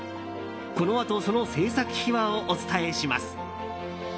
このあと、その制作秘話をお伝えします。